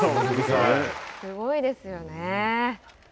すごいですよね。